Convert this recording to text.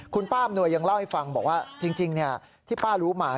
คุณป้าอำนวยยังเล่าให้ฟังบอกว่าจริงที่ป้ารู้มา